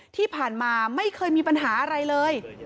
ที่ผ่านมาไม่เคยมีปัญหาอะไรเลย